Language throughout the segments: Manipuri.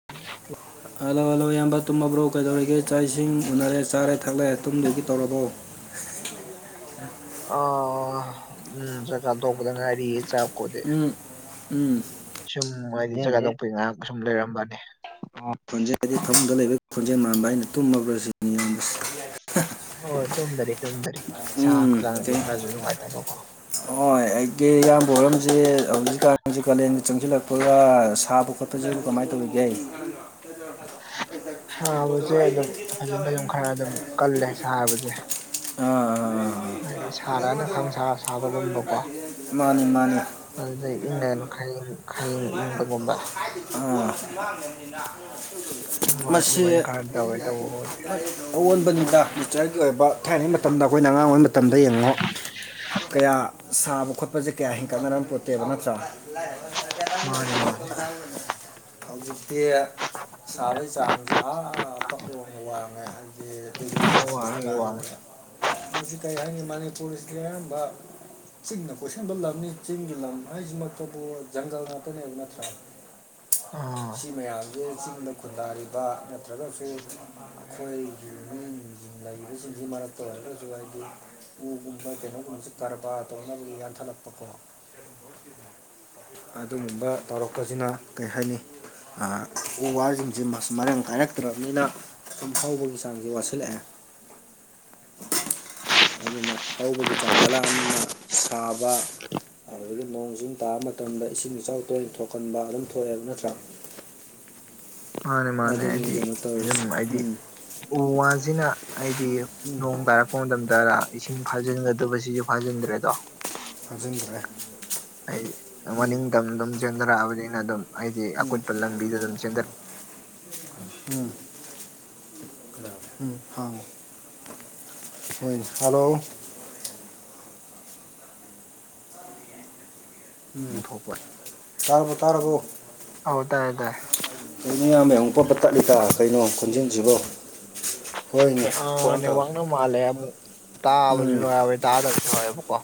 [unintelligible] ꯍꯜꯂꯣ ꯍꯜꯂꯣ ꯏꯌꯥꯝꯕ ꯇꯨꯝꯃꯕ꯭ꯔꯣ ꯀꯩꯗꯧꯔꯤꯒꯦ ꯆꯥꯛ ꯏꯁꯤꯡ ꯎꯅꯔꯦ ꯆꯥꯔꯦ ꯊꯛꯂꯦ ꯇꯨꯝꯗꯒꯤ ꯇꯧꯔꯕꯣ ꯑ ꯎꯝ ꯆꯥꯛ ꯊꯣꯛꯄꯗ ꯉꯔꯤꯌꯦ ꯆꯥꯛ ꯀꯣꯗꯤ ꯎꯝ ꯎꯝ ꯁꯨꯝ ꯍꯥꯏꯗꯤ ꯈꯣꯟꯖꯦꯟꯁꯦ ꯆꯖꯒꯗꯣꯛꯄ ꯉꯥꯏꯍꯥꯛ ꯁꯨꯝ ꯂꯩꯔꯝꯕꯅꯤ ꯈꯣꯟꯖꯦꯜ ꯍꯥꯏꯗꯤ ꯐꯥꯃꯨꯡꯗ ꯂꯩꯕꯒꯤ ꯈꯣꯟꯖꯦꯜ ꯃꯥꯟꯕ ꯑꯩꯅ ꯇꯨꯝꯃꯕ꯭ꯔꯥ ꯁꯤꯅꯤ ꯏꯌꯥꯝꯕꯁꯦ ꯍꯣꯏ ꯇꯨꯝꯗꯔꯤ ꯇꯨꯝꯗꯔꯤ ꯏꯁ ꯎꯝ ꯍꯛꯆꯥꯡꯁꯦ ꯈꯔꯁꯨ ꯅꯨꯡꯉꯥꯏꯇꯕꯀꯣ ꯍꯣꯏ ꯑꯩꯒꯤ ꯏꯌꯥꯝꯕ ꯍꯣꯢꯔꯣꯝꯁꯦ ꯍꯧꯖꯤꯛꯀꯥꯟꯁꯤ ꯀꯥꯂꯦꯟꯗ ꯆꯪꯁꯤꯜꯂꯛꯄꯒ ꯁꯥꯕ ꯈꯣꯠꯄꯁꯤ ꯀꯃꯥꯏ ꯇꯧꯕ ꯌꯥꯢ ꯁꯥꯕꯁꯦ ꯑꯗꯨꯝ ꯐꯖꯅ ꯑꯗꯨꯝ ꯈꯔ ꯑꯗꯨꯝ ꯀꯜꯂꯦ ꯁꯥꯕꯁꯦ ꯑ ꯍꯥꯏꯗꯤ ꯁꯥꯔꯅ ꯈꯪꯁꯥ ꯁꯥꯕꯒꯨꯝꯕꯀꯣ ꯃꯥꯅꯤ ꯃꯥꯅꯤ ꯑꯗꯨꯗꯩ ꯏꯪꯉꯅ ꯈꯌꯤꯡ ꯈꯌꯤꯡ ꯏꯪꯕꯒꯨꯝꯕ ꯪ [inaudible] ꯑꯗꯨꯃꯥꯏ ꯃꯁꯤ ꯑꯗꯨꯃꯥꯏꯅ ꯈꯔ ꯇꯧꯋꯦ ꯇꯧꯕꯕꯨꯗꯤ ꯑꯑꯣꯟꯕꯅꯤꯗ ꯅꯦꯆꯔꯒꯤ ꯑꯣꯏꯕ ꯊꯥꯏꯅꯉꯩ ꯃꯇꯝꯗ ꯑꯩꯈꯣꯏꯅ ꯑꯉꯥꯡ ꯑꯣꯏꯕ ꯃꯇꯝ ꯃꯇꯝꯗ ꯌꯦꯡꯉꯣ ꯀꯌꯥ ꯁꯥꯕ ꯈꯣꯠꯄꯁꯦ ꯀꯌꯥ ꯍꯦꯟꯀꯠꯅꯔꯛ ꯄꯣꯠꯇꯦꯕ ꯅꯠꯇ꯭ꯔꯥ ꯃꯥꯅꯦ ꯃꯥꯅꯦ ꯍꯧꯖꯤꯛꯇꯤ ꯁꯥꯕꯒꯤ ꯆꯥꯡꯁꯦ ꯑꯥ ꯄꯛꯅ ꯌꯥꯎꯅ ꯋꯥꯡꯉꯦ ꯍꯥꯏ ꯗꯤꯒ꯭ꯔꯤ ꯁꯤ ꯋꯥꯡꯉꯦ ꯋꯥꯡꯉꯦ ꯃꯁꯤ ꯀꯔꯤ ꯍꯥꯏꯅꯤ ꯃꯅꯤꯄꯨꯔꯁꯤꯗꯤ ꯑꯌꯥꯝꯕ ꯆꯤꯡꯅ ꯀꯣꯏꯁꯟꯕ ꯂꯝꯅꯤ ꯆꯤꯡꯒꯤ ꯂꯝ ꯍꯥꯏꯁꯤꯃꯛꯇꯕꯨ ꯖꯪꯒꯜ ꯉꯥꯛꯇꯅꯦꯕ ꯅꯠꯇ꯭ꯔꯥ ꯑꯥ ꯁꯤ ꯃꯌꯥꯝꯁꯦ ꯆꯤꯡꯗ ꯈꯨꯟꯗꯥꯔꯤꯕ ꯅꯠꯇ꯭ꯔꯒꯁꯨ ꯑꯩꯈꯣꯏꯒꯤ ꯃꯤ ꯂꯩꯔꯤꯕꯁꯤꯡꯁꯤ ꯃꯔꯛꯇ ꯑꯣꯢꯔꯒꯁꯨ ꯍꯥꯏꯗꯤ ꯎꯒꯨꯝꯕ ꯀꯩꯅꯣꯒꯨꯝꯕꯁꯤ ꯀꯔꯕꯥꯔ ꯇꯧꯅꯕꯒꯤ ꯌꯥꯟꯊꯠꯂꯛꯄꯀꯣ ꯑꯗꯨꯒꯨꯝꯕ ꯇꯧꯔꯛꯄꯁꯤꯅ ꯀꯩ ꯍꯥꯏꯅꯤ ꯎ ꯋꯥꯁꯤꯡꯁꯦ ꯃꯔꯥꯡ ꯀꯥꯏꯔꯛꯇ꯭ꯔꯕꯅꯤꯅ ꯑꯗꯨꯨꯝ ꯍꯥꯎꯕꯒꯤ ꯆꯥꯡꯁꯦ ꯋꯥꯠꯁꯤꯜꯂꯛꯑꯦ ꯑꯗꯨꯅ ꯍꯧꯕꯒꯤ ꯆꯥꯡ ꯋꯥꯠꯂꯛꯑꯕꯅꯤꯅ ꯁꯥꯕ ꯑꯗꯨꯗꯒꯤ ꯅꯣꯡ ꯆꯤꯡ ꯇꯥꯕ ꯃꯇꯝꯗ ꯏꯁꯤꯡ ꯏꯆꯥꯎ ꯇꯣꯏꯅ ꯊꯣꯛꯀꯟꯕ ꯑꯗꯨꯝ ꯊꯣꯛꯑꯦꯕ ꯅꯠꯇ꯭ꯔꯥ ꯃꯥꯅꯦ ꯃꯥꯅꯦ ꯑꯗꯨꯅꯤ ꯑꯩꯗꯤ ꯀꯩꯅꯣ ꯇꯧꯔꯤꯁꯦ ꯑꯗꯨꯝ ꯑꯩꯗꯤ ꯎꯝ ꯎꯨ ꯋꯥꯁꯤꯅ ꯍꯥꯢꯗꯤ ꯅꯣꯡꯗ ꯄ ꯃꯇꯝꯇ ꯏꯁꯤꯡ ꯐꯥꯖꯤꯟꯒꯗꯕꯁꯤꯁꯨ ꯐꯥꯖꯤꯟꯗ꯭ꯔꯦꯗꯣ ꯍꯥꯞꯖꯤꯟꯈ꯭ꯔꯦ ꯍꯥꯏꯗꯤ ꯃꯅꯤꯡꯇꯝꯅ ꯑꯗꯨꯝ ꯆꯦꯟꯊꯔꯛꯑꯕꯅꯤꯅ ꯑꯗꯨꯝ ꯍꯥꯏꯗꯤ ꯑꯀꯨꯠꯄ ꯂꯝꯕꯤꯗ ꯑꯗꯨꯝ ꯆꯦꯟꯔꯛ ꯎꯝ ꯍꯜꯂꯣ ꯎꯝ ꯊꯣꯛꯄ ꯇꯥꯔꯕꯣ ꯇꯥꯔꯕꯣ ꯑꯧ ꯇꯥꯏ ꯇꯥꯏ ꯑꯩ ꯃꯤꯌꯥꯝ ꯑꯃꯨꯛ ꯄꯕ ꯇꯠꯂꯤꯀ ꯀꯩꯅꯣ ꯈꯣꯟꯖꯟꯁꯤꯕꯣ ꯑ ꯅꯦꯋꯥꯛꯅ ꯃꯥꯜꯂꯦ ꯑꯃꯨꯛ ꯇꯥꯕꯁꯨ ꯎꯝ ꯌꯥꯎꯋꯦ ꯇꯥꯗꯕꯁꯨ ꯌꯥꯎꯋꯦꯕꯀꯣ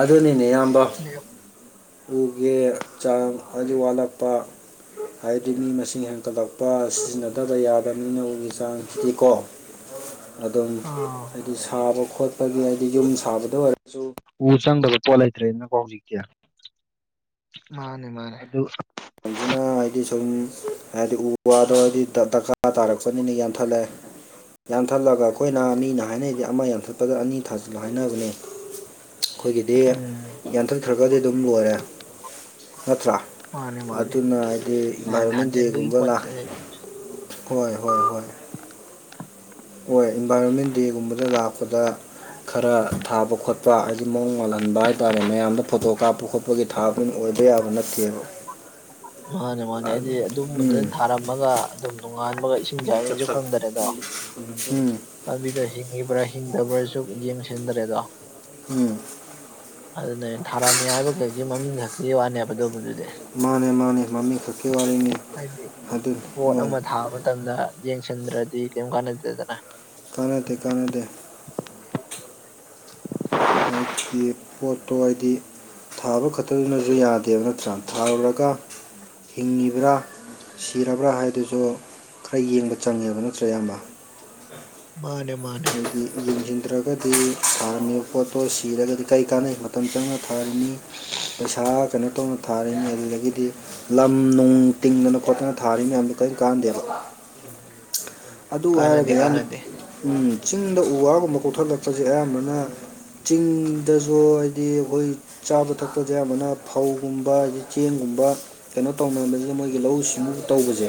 ꯑꯗꯨꯅꯤꯅꯦ ꯏꯌꯥꯝꯕ [inaudible] ꯎꯒꯦ ꯆꯥꯡ ꯍꯥꯏ ꯋꯥꯠꯂꯛꯄ ꯍꯥꯏꯕꯗꯤ ꯃꯤ ꯃꯁꯤꯡ ꯍꯦꯟꯀꯠꯂꯛꯄ ꯁꯤꯖꯤꯟꯅꯗꯕ ꯌꯥꯗꯕ ꯃꯤꯅ ꯎꯒꯤ ꯆꯥꯡꯁꯤꯗꯤꯀꯣ ꯑꯗꯨꯝ ꯑꯥ ꯍꯥꯏꯗꯤ ꯁꯥꯕ ꯈꯣꯠꯄ ꯑꯩꯈꯣꯏꯒꯤ ꯍꯥꯏꯗꯤ ꯌꯨꯝ ꯁꯥꯕꯗ ꯑꯣꯏꯔꯁꯨ ꯎ ꯆꯪꯗꯕ ꯄꯣꯠ ꯂꯩꯇ꯭ꯔꯦꯅꯀꯣ ꯍꯧꯖꯤꯛꯇꯤ ꯃꯥꯅꯦ ꯃꯥꯅꯦ ꯑꯗꯨꯗ ꯃꯁꯤꯅ ꯍꯥꯏꯗꯤ ꯁꯨꯝ ꯍꯥꯏꯗꯤ ꯎ ꯋꯥꯗꯣ ꯍꯥꯏꯗꯤ ꯗꯔꯀꯥꯔ ꯇꯥꯔꯛꯄꯅꯤꯅ ꯌꯥꯟꯊꯠꯂꯦ ꯌꯥꯟꯊꯠꯂꯒ ꯑꯩꯈꯣꯏꯅ ꯃꯤꯅ ꯍꯥꯏꯅꯔꯤꯗꯤ ꯑꯃ ꯌꯥꯟꯊꯠꯄꯗ ꯑꯅꯤ ꯊꯥꯖꯤꯜꯂ ꯍꯥꯏꯅꯕꯅꯦ ꯑꯩꯈꯣꯏꯒꯤꯗꯤ ꯎꯝ ꯌꯥꯟꯊꯠꯈ꯭ꯔꯒꯗꯤ ꯑꯗꯨꯝ ꯂꯣꯏꯔꯦ ꯅꯠꯇ꯭ꯔꯥ ꯃꯥꯅꯦ ꯃꯥꯅꯦ ꯑꯗꯨꯅ ꯍꯥꯏꯗꯤ ꯏꯟꯚꯥꯏꯔꯣꯟꯃꯦꯟ ꯗꯦ ꯊꯥꯖꯤꯟꯕꯒꯤ ꯒꯨꯝꯕ ꯄꯣꯠ ꯂꯥꯛ ꯆꯩ ꯍꯣꯏ ꯍꯣꯏ ꯍꯣꯏ ꯍꯣꯏ ꯏꯟꯚꯥꯏꯔꯣꯟꯃꯦꯟ ꯗꯦꯒꯨꯝꯕꯗ ꯂꯥꯛꯄꯗ ꯈꯔ ꯊꯥꯕ ꯈꯣꯠꯄ ꯄꯥ ꯍꯥꯏꯁꯦ ꯃꯑꯣꯡ ꯉꯥꯜꯍꯟꯕ ꯍꯥꯏꯇꯥꯔꯦ ꯃꯌꯥꯝꯗ ꯐꯣꯇꯣ ꯀꯥꯞꯄ ꯈꯣꯠꯄꯒꯤ ꯊꯥꯗꯨꯏ ꯃꯤ ꯑꯣꯏꯕ ꯌꯥꯕ ꯅꯠꯇꯦꯕ [inaudible] ꯃꯥꯅꯦ ꯃꯥꯅꯦ ꯍꯥꯢꯗꯤ ꯑꯗꯨꯝꯕꯗꯨ ꯎꯝ ꯊꯥꯔꯝꯃꯒ ꯑꯗꯨꯝ ꯅꯣꯡꯉꯥꯟꯥꯟꯕꯒ ꯏꯁꯤꯡꯁꯥꯏꯅꯤꯁꯨ ꯈꯪꯗꯔꯦ ꯑꯗꯣ ꯎꯝ ꯄꯥꯝꯕꯤꯗꯣ ꯍꯤꯡꯉꯤꯕ꯭ꯔꯥ ꯍꯤꯡꯗꯕ꯭ꯔꯥꯁꯨ ꯌꯦꯡꯁꯤꯟꯗꯔꯦꯗꯣ ꯎꯝ ꯑꯗꯨꯅꯦ ꯊꯥꯔꯝꯃꯤ ꯍꯥꯏꯕ ꯀꯩꯀꯤ ꯃꯃꯤꯡ ꯈꯛꯇ ꯋꯥꯅꯦꯕ ꯑꯗꯨꯕꯨ ꯃꯥꯅꯦ ꯃꯥꯅꯦ ꯃꯃꯤꯡ ꯈꯛꯀꯤ ꯋꯥꯔꯤꯅꯤ ꯍꯥꯏꯗꯤ ꯑꯗꯨꯅꯤ ꯄꯕꯣꯠ ꯍꯣꯏ ꯑꯃ ꯊꯥꯕ ꯃꯇꯝꯗ ꯌꯦꯡ ꯆꯟꯗ꯭ꯔꯗꯤ ꯀꯩꯝ ꯀꯥꯟꯅꯗꯦꯗꯅ ꯀꯥꯟꯅꯗꯦ ꯀꯥꯟꯅꯗꯦ ꯍꯥꯏꯗꯤ ꯄꯣꯠꯇꯣ ꯍꯥꯏꯗꯤ ꯊꯥꯕ ꯈꯛꯇꯗꯨꯅꯁꯨ ꯌꯥꯗꯦꯕ ꯅꯠꯇ꯭ꯔꯥ ꯊꯥꯔꯨꯔꯒ ꯍꯤꯡꯉꯤꯕ꯭ꯔꯥ ꯁꯤꯔꯕ꯭ꯔꯥ ꯍꯥꯏꯗꯨꯁꯨ ꯈꯔ ꯌꯦꯡꯕ ꯆꯪꯉꯦꯕ ꯅꯠꯇ꯭ꯔꯣ ꯏꯌꯥꯝꯕ ꯃꯥꯅꯦ ꯃꯥꯅꯦ ꯍꯥꯏꯗꯤ ꯌꯦꯡꯁꯤꯟꯗ꯭ꯔꯒꯗꯤ ꯁꯥꯔꯝꯃꯤꯕ ꯄꯣꯠꯇꯣ ꯁꯤꯔꯒꯗꯤ ꯀꯔꯤ ꯀꯥꯟꯅꯩ ꯃꯇꯝ ꯆꯪꯅ ꯊꯥꯔꯤꯅꯤ ꯄꯩꯁꯥ ꯀꯩꯅꯣ ꯇꯧꯅ ꯊꯥꯔꯤꯅꯤ ꯑꯗꯨꯗꯒꯤꯗꯤ ꯂꯝ ꯅꯨꯡ ꯇꯤꯡꯗꯅ ꯈꯣꯠꯇꯅ ꯊꯥꯔꯤ ꯃꯌꯥꯝꯗꯣ ꯀꯔꯤ ꯀꯥꯟꯅꯗꯦꯕ ꯑꯗꯨ ꯍꯥꯏꯔꯒ ꯀꯥꯟꯅꯗꯦ ꯀꯥꯟꯅꯗꯦ ꯌꯥꯝꯌꯥꯝꯅ ꯆꯤꯡꯗ ꯎ ꯋꯥꯒꯨꯝꯕ ꯀꯣꯛꯊꯠꯂꯛꯄꯁꯦ ꯑꯌꯥꯝꯕꯅ ꯆꯤꯡꯗꯁꯨ ꯍꯥꯏꯗꯤ ꯑꯩꯈꯣꯏ ꯆꯥꯕ ꯊꯛꯄꯁꯦ ꯑꯌꯥꯝꯕꯅ ꯐꯧꯒꯨꯝꯕ ꯑꯗꯒꯤ ꯆꯦꯡꯒꯨꯝꯕ ꯀꯩꯅꯣ ꯇꯧꯅꯕꯁꯤꯗ ꯃꯣꯏꯒꯤ ꯂꯧꯎ ꯁꯤꯡꯎ ꯇꯧꯕꯁꯦ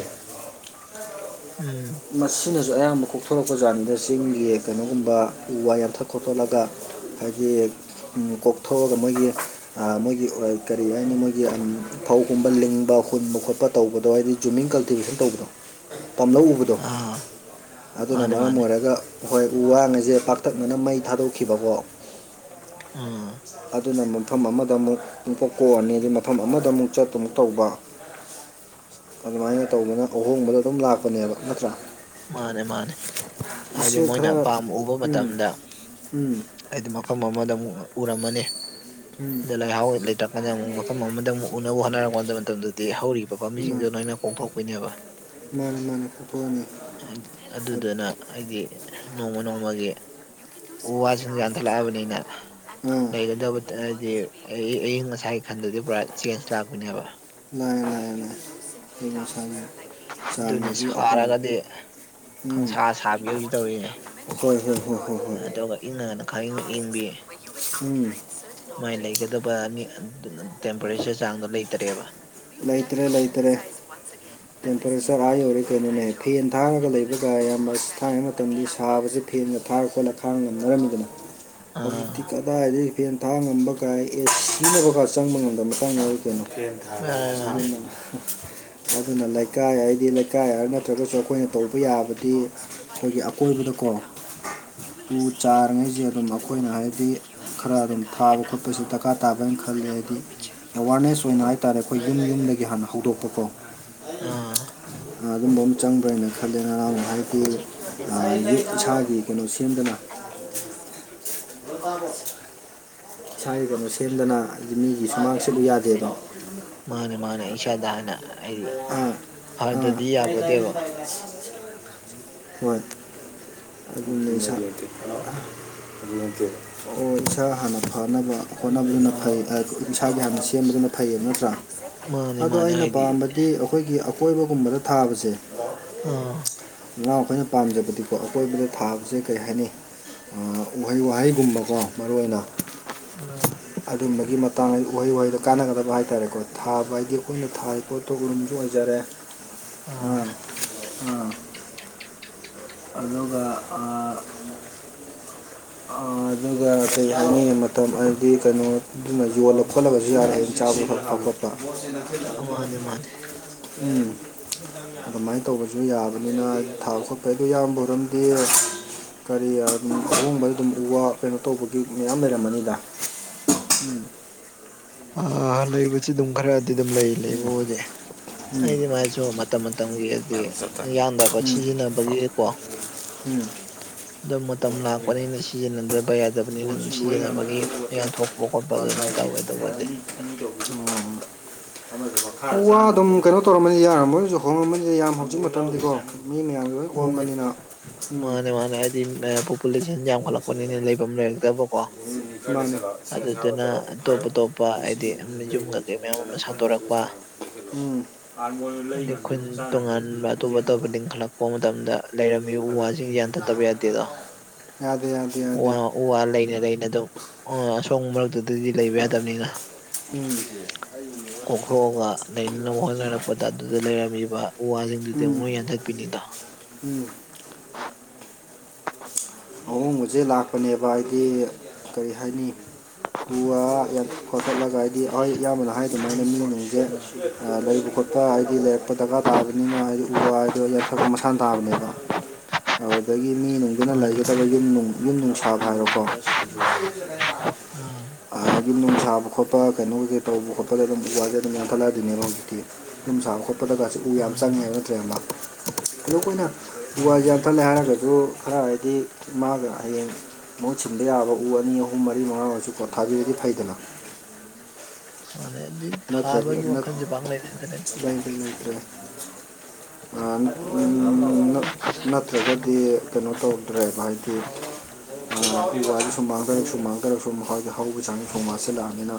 ꯎꯝ ꯃꯁꯤꯅꯁꯨ ꯑꯌꯥꯝꯕ ꯀꯣꯛꯊꯣꯔꯛꯄ ꯀꯥꯟꯅꯤꯗ ꯆꯤꯡꯒꯤ ꯀꯩꯅꯣꯒꯨꯝꯕ ꯎ ꯋꯥ ꯌꯥꯟꯊꯛ ꯈꯣꯊꯠꯂꯒ ꯍꯥꯏꯗꯤ ꯀꯣꯛꯊꯣꯛꯑꯒ ꯃꯣꯏꯒꯤ ꯃꯣꯏꯒꯤ ꯀꯔꯤ ꯍꯥꯏꯅꯤ ꯃꯣꯏꯒꯤ ꯐꯧꯒꯨꯝꯕ ꯂꯤꯡꯕ ꯍꯨꯟꯕ ꯈꯣꯠꯄ ꯇꯧꯕꯗꯣ ꯍꯥꯏꯗꯤ ꯖꯨꯃꯤꯡ ꯀꯜꯇꯤꯚꯦꯁꯟ ꯇꯧꯕꯗꯣ ꯄꯥꯝꯂꯧ ꯎꯕꯗꯣ ꯑꯥ ꯑꯗꯨꯅ ꯃꯥꯅꯦ ꯃꯔꯝ ꯃꯥꯅꯦ ꯑꯣꯏꯔꯒ ꯍꯣꯏ ꯋꯥꯉꯁꯦ ꯄꯥꯛꯇꯛꯅꯅ ꯃꯩ ꯊꯥꯗꯣꯛꯈꯤꯕꯀꯣ ꯑꯥ ꯑꯗꯨꯅ ꯃꯐꯝ ꯑꯃꯗ ꯑꯃꯨꯛ ꯑꯗꯨꯀꯣꯛ ꯀꯣꯛꯑꯅꯤ ꯑꯩ ꯃꯐꯝ ꯑꯃꯗ ꯑꯃꯨꯛ ꯆꯠꯇꯨ ꯑꯃꯨꯛ ꯇꯧꯕ ꯑꯗꯨꯃꯥꯏꯅ ꯇꯧꯗꯅ ꯑꯍꯣꯡꯕꯗꯣ ꯑꯗꯨꯝ ꯂꯥꯛꯄꯅꯦꯕ ꯅꯠꯇ꯭ꯔꯥ ꯃꯥꯅꯦ ꯃꯥꯅꯦ ꯍꯥꯏꯗꯤ ꯃꯁꯤ ꯃꯣꯏꯅ ꯈꯔ ꯑꯄꯥꯝ ꯎꯕ ꯎꯝ ꯃꯇꯝꯗ ꯎꯝ ꯍꯥꯏꯗꯤ ꯃꯐꯝ ꯑꯃꯗ ꯑꯃꯨꯛ ꯎꯔꯝꯃꯅꯤ ꯎꯝ ꯑꯗꯣ ꯂꯩꯍꯥꯎ ꯂꯩꯇ꯭ꯔꯀꯥꯟꯗ ꯑꯃꯨꯛ ꯃꯐꯝ ꯑꯃꯗ ꯑꯃꯨꯛ ꯎꯅꯕ ꯍꯣꯠꯅꯔꯛꯄꯗ ꯃꯇꯝꯗꯗꯤ ꯍꯧꯔꯤꯕ ꯃꯥ ꯄꯥꯝꯕꯤꯁꯤꯡꯗꯨꯣ ꯅꯣꯏꯅ ꯀꯣꯡꯊꯣꯛꯄꯤꯅꯦꯕ ꯃꯥꯅꯦ ꯃꯥꯅꯦꯄꯅꯤ ꯑꯗꯨꯗꯨꯅ ꯍꯥꯏꯗꯤ ꯅꯣꯡꯃ ꯅꯣꯡꯃꯒꯤ ꯎ ꯋꯥꯁꯤꯡ ꯌꯥꯟꯊꯠꯂꯛꯑꯕꯅꯤꯅ ꯎꯝ ꯂꯩꯒꯗꯕ ꯍꯥꯏꯗꯤ ꯑꯩ ꯑꯌꯤꯡ ꯑꯁꯥꯒꯤ ꯈꯟꯗꯗꯤ ꯄꯨꯔꯥ ꯆꯦꯟꯖ ꯂꯥꯛꯄꯅꯦꯕ ꯂ ꯂꯦ ꯅꯁ ꯑꯗꯨꯅꯤ ꯁꯥꯔꯒꯗꯤ ꯎꯝ ꯈꯪꯁꯥ ꯁꯥꯕꯤ ꯍꯧꯖꯤꯛ ꯇꯧꯔꯤꯅꯦ ꯍꯣꯏ ꯍꯣꯏ ꯍꯣꯏ ꯍꯣꯏ ꯍꯣꯏ ꯑꯗꯨꯒ ꯏꯪꯉꯒꯅ ꯈꯔꯪ ꯏꯪꯕꯤ ꯎꯝ ꯃꯥꯏ ꯂꯩꯒꯗꯕꯅꯤ ꯇꯦꯝꯄꯔꯦꯆꯔ ꯆꯥꯡꯗꯣ ꯂꯩꯇ꯭ꯔꯦꯕ ꯂꯩꯇꯔꯦ ꯂꯩꯇꯔꯦ ꯇꯦꯝꯄꯔꯦꯆꯔ ꯑꯥ ꯌꯧꯔꯦ ꯀꯩꯅꯣꯅꯦ ꯐꯦꯟ ꯊꯥꯡꯉꯒ ꯂꯩꯕꯒ ꯌꯥꯝ ꯊꯥꯡꯉꯩ ꯃꯇꯝ ꯁꯥꯕꯁꯤ ꯐꯦꯟꯒ ꯊꯥꯔ ꯈꯣꯠꯂ ꯈꯥꯡꯕ ꯉꯝꯅꯔꯝꯃꯤꯗꯅ ꯍꯧꯖꯤꯛꯇꯤ ꯑꯥ ꯀꯗꯥꯏꯗꯒꯤ ꯐꯦꯟ ꯊꯥ ꯉꯝꯕꯒꯥꯏ ꯑꯦꯁ ꯄꯅꯕꯒꯔ ꯆꯪꯕ ꯉꯝꯗ ꯃꯊꯪꯗ ꯀꯩꯅꯣ ꯃꯥꯅꯦ ꯃꯥꯅꯦ ꯑꯗꯨꯅ ꯂꯩꯀꯥꯏ ꯍꯥꯏꯗꯤ ꯂꯩꯀꯥꯏ ꯍꯥꯏꯔ ꯅꯠꯇ꯭ꯔꯒꯁꯨ ꯑꯩꯈꯣꯏꯅ ꯇꯧꯕ ꯌꯥꯕꯗꯤ ꯑꯩꯈꯣꯏꯒꯤ ꯑꯀꯣꯏꯕꯗꯀꯣ ꯎ ꯆꯥꯔꯤꯉꯩꯁꯦ ꯑꯗꯨꯝ ꯑꯩꯈꯣꯏꯅ ꯍꯥꯏꯕꯗꯤ ꯈꯔ ꯑꯗꯨꯝ ꯊꯥꯕ ꯈꯣꯠꯄꯁꯨ ꯗꯔꯀꯥꯔ ꯇꯥꯕꯅ ꯈꯜꯂꯦ ꯍꯥꯏꯗꯤ ꯑꯦꯋꯥꯔꯅꯦꯁ ꯑꯣꯏꯅ ꯍꯥꯏ ꯍꯥꯏꯇꯥꯥꯔꯦ ꯑꯩꯈꯣꯏ ꯌꯨꯝ ꯌꯨꯝꯗꯒꯤ ꯍꯥꯟꯅ ꯍꯧꯗꯣꯛꯄꯀꯣ ꯑꯥ ꯑꯗꯨꯝꯕ ꯑꯃ ꯆꯪꯕ꯭ꯔꯥꯅ ꯈꯜꯂꯦ ꯅꯔꯥꯡ ꯍꯥꯏꯗꯤ ꯏꯁꯥꯒꯤ ꯀꯩꯅꯣ ꯁꯦꯝꯗꯅ ꯀꯕ ꯏꯁꯥꯒꯤ ꯀꯩꯅꯣ ꯁꯦꯝꯗꯅꯗꯤ ꯃꯤꯒꯤ ꯁꯨꯃꯥꯡ ꯁꯤꯂ ꯌꯥꯗꯦꯕ ꯃꯥꯅꯦ ꯃꯥꯅꯦ ꯏꯁꯥꯗ ꯍꯥꯟꯅ ꯍꯥꯏꯗꯤ ꯎꯝ ꯑꯥ ꯐꯗꯗꯤ ꯌꯥꯄꯣꯠꯇꯦꯕ ꯍꯣꯏ ꯑꯗꯨ ꯂꯩꯁꯇ ꯑꯣ ꯏꯁ ꯍꯅ ꯐꯅꯕ ꯍꯣꯠꯅꯕꯗꯨꯅ ꯐꯩ ꯏꯁꯥꯒꯤ ꯍꯥꯟꯅ ꯁꯦꯝꯕꯗꯨꯅ ꯐꯩꯌꯦꯕ ꯅꯠꯇ꯭ꯔꯥ ꯃꯥꯅꯦ ꯑꯗꯣ ꯃꯥꯅꯦ ꯑꯩꯅ ꯍꯥꯏꯗꯤ ꯄꯥꯝꯕꯗꯤ ꯑꯩꯈꯣꯏꯒꯤ ꯑꯀꯣꯏꯕꯒꯨꯝꯕꯗ ꯊꯥꯕꯁꯦ ꯑꯥ ꯅꯅꯥꯎ ꯑꯩꯈꯣꯏꯅ ꯄꯥꯝꯖꯕꯗꯤꯀꯣ ꯑꯀꯣꯏꯕꯗ ꯊꯥꯕꯁꯦ ꯀꯔꯤ ꯍꯥꯏꯅꯩ ꯎꯍꯩ ꯋꯥꯍꯩꯒꯨꯝꯕꯀꯣ ꯃꯔꯨ ꯑꯣꯏꯅ ꯎ ꯑꯗꯨꯝꯕꯒꯤ ꯃꯇꯥꯡꯗꯗꯤ ꯎꯍꯩ ꯋꯥꯍꯩꯗꯣ ꯀꯥꯟꯅꯒꯗꯕ ꯍꯥꯏꯇꯥꯔꯦꯀꯣ ꯊꯥꯕ ꯍꯥꯏꯗꯤ ꯑꯩꯈꯣꯏꯅ ꯄꯣ ꯊꯣꯒꯔꯨꯝꯁꯨ ꯑꯣꯏꯖꯔꯦ ꯑꯥ ꯑꯥ ꯑꯗꯨꯒ ꯑ ꯑꯗꯨꯒ ꯀꯩ ꯍꯥꯏꯅꯤꯡ ꯃꯇꯝ ꯍꯥꯏꯗꯤ ꯀꯩꯅꯣꯗꯨꯅ ꯌꯣꯜꯂ ꯈꯣꯠꯂꯒꯁꯨ ꯌꯥꯔꯦ ꯑꯗꯨꯅ ꯆꯥꯕ ꯈꯣꯠꯄ ꯈꯣꯠꯄ ꯃꯥꯅꯦ ꯃꯥꯅꯦ ꯎꯝ ꯑꯗꯨꯃꯥꯏꯅ ꯇꯧꯕꯁꯨ ꯌꯥꯕꯅꯤꯅ ꯊꯥꯕ ꯈꯣꯠꯄ ꯑꯩꯗꯣ ꯏꯌꯥꯝꯕ ꯑꯣꯏꯝꯗꯤ ꯀꯔꯤꯝ ꯑꯍꯣꯡꯕꯗ ꯑꯗꯨꯝ ꯎꯕ ꯀꯩꯅꯣ ꯇꯧꯕꯒꯤ ꯃꯌꯥꯝ ꯂꯩꯔꯝꯃꯅꯤ ꯎꯝ ꯑ ꯂꯩꯕꯕꯁꯤ ꯑꯗꯨꯝ ꯈꯔꯗꯤ ꯑꯗꯨꯝ ꯂꯩ ꯂꯩꯕꯨ ꯍꯧꯖꯤ ꯎꯝ ꯑꯩꯗꯤ ꯃꯥꯏꯁꯨ ꯃꯇꯝ ꯃꯇꯝꯒꯤ ꯍꯥꯏꯗꯤ ꯌꯥꯟꯗꯕ ꯎꯝ ꯁꯤꯖꯤꯟꯅꯕꯒꯤꯀꯣ ꯎꯝ ꯑꯗꯨ ꯃꯇꯝ ꯂꯥꯛꯄꯅꯤꯅ ꯁꯤꯖꯤꯟꯅꯗꯕ ꯌꯥꯗꯕꯅꯤꯅ ꯑꯗꯨꯝ ꯁꯤꯖꯤꯟꯅꯕꯒꯤ ꯌꯥꯌꯥꯟꯊꯣꯛ ꯈꯣꯠꯄ ꯑꯗꯨꯝ ꯇꯧꯋꯦ ꯇꯧꯕ ꯎ ꯑꯗꯨꯝ ꯀꯩꯅꯣ ꯇꯧꯔꯝꯃꯅꯤ ꯌꯥꯔꯝꯕꯣꯏꯅꯁꯨ ꯍꯣꯡꯉꯝꯃꯅꯤ ꯌꯥꯝ ꯍꯧꯖꯤꯛ ꯃꯇꯝꯗꯤꯀꯣ ꯃꯤ ꯃꯌꯥꯝ ꯂꯣꯏ ꯍꯣꯡꯉꯦ ꯑꯣꯟꯕꯅꯤꯅ ꯎꯝ ꯃꯥꯅꯦ ꯃꯥꯅꯦ ꯍꯥꯏꯗꯤ ꯄꯣꯄꯨꯂꯦꯁꯟ ꯌꯥꯝꯈꯠꯂꯛꯄꯅꯤꯅ ꯂꯩꯐꯝ ꯂꯩꯔꯛꯇꯕꯀꯣ ꯃꯤ ꯈꯔꯗꯤꯀꯣ ꯏꯁꯤꯡ ꯑꯁꯥꯕ ꯑꯗꯨꯗꯨꯅ ꯇꯧꯔꯒ ꯑꯇꯣꯞ ꯑꯇꯣꯞꯄ ꯍꯥꯏꯗꯤ ꯑꯣꯠꯈꯥꯏꯌꯣ ꯌꯨꯝ ꯀꯩꯀꯩ ꯃꯌꯥꯝ ꯑꯃ ꯃꯅꯝ ꯃꯍꯥ ꯁꯥꯗꯣꯔꯛꯄ ꯅꯨꯡꯁꯤꯅꯕ ꯎꯝ ꯍꯥꯔꯃꯣꯅꯤꯌꯝ ꯂꯩ ꯍꯥꯏꯗꯤ ꯉꯝꯗꯦ ꯈꯨꯟ ꯆꯥꯅꯕꯩꯗꯤ ꯆꯦꯡ ꯍꯣꯡꯕ ꯃꯇꯝꯗ ꯂꯩꯔꯝꯃꯤꯕ ꯎ ꯋꯥꯁꯤꯡꯁꯤ ꯌꯥꯟꯊꯠꯇꯕ ꯌꯥꯗꯦꯗꯣ ꯌꯥꯗꯦ ꯌꯥꯗꯦ ꯎ ꯌꯥꯗꯦ ꯋꯥ ꯎ ꯋꯥ ꯂꯩꯅ ꯂꯩꯅ ꯑꯗꯨꯝ ꯑꯥ ꯑꯁꯣꯡꯕ ꯃꯔꯛꯇꯨꯗꯗꯤ ꯂꯩꯕ ꯌꯥꯗꯝꯅꯤꯅ ꯎꯝ ꯇꯝꯕꯤꯕ ꯎ ꯋꯥꯁꯤꯡꯗꯨꯗꯤ ꯑꯃꯨꯛ ꯎꯝ ꯂꯣꯏ ꯌꯥꯟꯊꯠꯄꯤꯅꯤꯗꯣ ꯎꯝ ꯑꯍꯣꯡꯕꯁꯦ ꯂꯥꯛꯄꯅꯦꯕ ꯍꯥꯏꯗꯤ ꯀꯔꯤ ꯍꯥꯏꯅꯤ ꯎ ꯋꯥ ꯌꯥꯟꯊ ꯈꯣꯊꯠꯂꯒ ꯍꯥꯏꯗꯤ ꯍꯣꯏ ꯏꯌꯥꯝꯕꯅ ꯍꯥꯏ ꯑꯗꯨꯃꯥꯏꯅ [inaudible] ꯂꯩꯕ ꯈꯣꯠꯄ ꯍꯥꯏꯗꯤ ꯂꯩꯔꯛꯄ ꯗꯔꯀꯥꯔ ꯇꯥꯕꯅꯤꯅ ꯍꯥꯏꯗꯤ ꯎ ꯋꯥ ꯍꯥꯏꯗ ꯌꯥꯟꯊꯛꯄ ꯃꯁꯥꯟꯅ ꯇꯥꯕꯅꯦꯕ ꯑꯗꯨꯗꯒꯤ ꯃꯤ ꯅꯨꯡꯗꯨꯅ ꯃꯥꯅꯤ ꯂꯩꯒ ꯃꯥꯅꯤ ꯌꯨꯝꯅꯨꯡ ꯌꯨꯝ ꯅꯨꯡ ꯁꯥꯕ ꯍꯥꯏꯔꯣꯀꯣ ꯑꯥ ꯌꯨꯝ ꯅꯨꯡ ꯁꯥꯕ ꯈꯣꯠꯄ ꯀꯩꯅꯣ ꯀꯩ ꯀꯩ ꯇꯧꯕ ꯈꯣꯠꯄꯗ ꯑꯗꯨꯝ ꯎ ꯋꯥꯁꯦ ꯑꯗꯨꯝ ꯌꯥꯟꯈꯠꯂꯛꯑꯗꯤꯅꯦꯕ ꯍꯧꯖꯤꯛꯇꯤ ꯑꯗꯨꯝ ꯁ ꯈꯄꯗ ꯀꯁꯤ ꯎ ꯌꯥꯝ ꯃꯥꯅꯤ ꯆꯪꯉꯦ ꯍꯥꯏꯕ ꯃꯥꯅꯤ ꯅꯠꯇ꯭ꯔꯦ ꯑꯃ ꯑꯗꯣ ꯑꯩꯈꯣꯏꯅ ꯎ ꯋꯥꯁꯤꯦ ꯌꯥꯝ ꯑꯥ ꯊꯠꯂꯦ ꯍꯥꯏꯔꯒꯁꯨ ꯈꯔ ꯍꯥꯏꯗꯤ ꯃꯥꯒ ꯍꯥꯌꯦꯡ ꯃꯍꯨꯠ ꯁꯤꯟꯕ ꯌꯥꯕ ꯎ ꯑꯅꯤ ꯑꯍꯨꯝ ꯃꯔꯤ ꯃꯉꯥ ꯑꯣꯏꯔꯁꯨꯀꯣ ꯊꯥꯕꯤꯔꯗꯤ ꯐꯩꯗꯅ ꯍꯥꯟꯅꯗꯤ ꯅꯠꯇ꯭ꯔꯒ ꯊꯥꯕꯒꯤ ꯋꯥꯈꯜꯁꯦ ꯄꯥꯛꯅ ꯂꯩꯅꯗ꯭ꯔꯦꯗ [inaudible] ꯅꯠꯇ꯭ꯔꯒꯗꯤ ꯀꯩꯅꯣ ꯇꯧꯗ꯭ꯔꯦꯕ ꯍꯥꯏꯗꯤ ꯁꯨꯝꯃꯥꯡꯗꯔꯛ ꯁꯨꯝꯃꯥꯡꯗꯔꯛ ꯁꯨꯝ ꯃꯈꯣꯏꯗ ꯍꯧꯕ ꯆꯥꯡꯖꯦ ꯁꯨꯝ ꯋꯥꯠꯁꯤꯜꯂꯛꯑꯕꯅꯤꯅ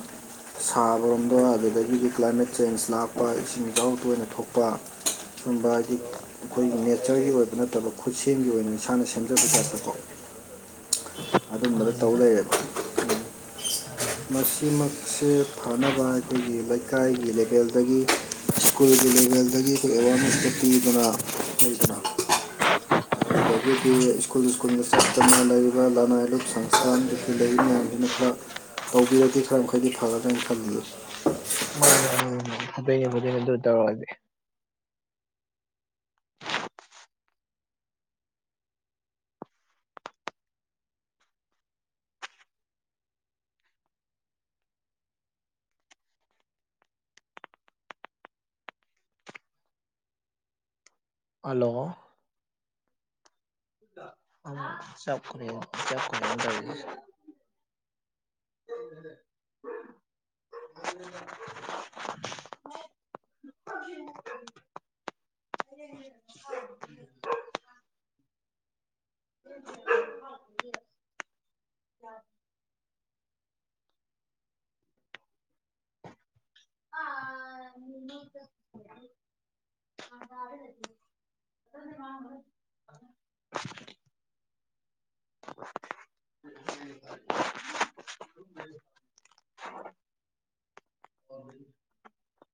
ꯁꯥꯕꯔꯣꯝ ꯑꯥ ꯑꯗꯨꯗꯒꯤꯗꯤ ꯀ꯭ꯂꯥꯏꯃꯦꯠ ꯆꯦꯟꯖ ꯂꯥꯛꯄ ꯏꯁꯤꯡ ꯏꯆꯥꯎ ꯇꯣꯏꯅ ꯊꯣꯛꯄ ꯁꯨꯝꯕ ꯍꯥꯏꯗꯤ ꯑꯩꯈꯣꯏꯒꯤ ꯅꯦꯆꯔꯒꯤ ꯑꯣꯏꯕ ꯅꯠꯇꯕ ꯈꯨꯠꯁꯦꯝꯒꯤ ꯑꯣꯏꯅ ꯏꯁꯥꯅ ꯁꯦꯝꯖꯕ ꯖꯥꯠꯁꯦꯀꯣ [inaudible] ꯑꯗꯨꯝꯕꯗ ꯃꯥꯅꯤ ꯇꯧ ꯃꯥꯅꯤ ꯂꯩꯔꯦꯕ ꯃꯁꯤꯃꯛꯁꯦ ꯐꯅꯕ ꯑꯩꯈꯣꯏꯒꯤ ꯂꯩꯀꯥꯏꯒꯤ ꯂꯦꯕꯦꯜꯗꯒꯤ ꯁ꯭ꯀꯨꯜꯒꯤ ꯂꯦꯚꯦꯜꯗꯒꯤ ꯑꯩꯈꯣꯏ ꯑꯦꯋꯥꯔꯅꯦꯁꯀ ꯄꯤꯗꯅ ꯂꯩꯗꯅ ꯑꯗꯨꯗꯒꯤꯗꯤ ꯁ꯭ꯀꯨꯜ ꯁ꯭ꯀꯨꯜꯗ ꯆꯠ ꯆꯠꯇꯅ ꯂꯩꯔꯤꯕ ꯂꯅꯥꯏ ꯂꯨꯞ ꯁꯪꯁꯊꯥꯟꯗꯒꯤ ꯀꯩ ꯀꯩ ꯂꯩꯔꯤ ꯃꯌꯥꯝꯁꯤꯅ ꯈꯔ ꯇꯧꯕꯤꯔꯗꯤ ꯈꯔ ꯃꯈꯩꯗꯤ ꯐꯒꯗ꯭ꯔꯥ ꯍꯥꯏꯅ ꯈꯜꯂꯤꯌꯦ ꯃꯥꯅꯦ ꯑꯗꯨꯅꯦ [unintelligible] ꯇꯧꯔꯛꯑꯗꯤ ꯍꯜꯂꯣ ꯆꯞꯈ꯭ꯔꯦ ꯆꯞꯈ꯭ꯔꯦ ꯇꯧꯔꯤꯖꯦ [inaudible] [inaudible] [inaudible] [inaudible] ꯑꯥ [inaudible] ꯁꯦꯟꯗꯜ ꯃꯥꯡꯒꯔꯦ [inaudible] [inaudible]